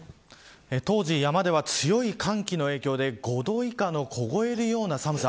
当時、山では強い寒気の影響で５度以下の凍えるような寒さ。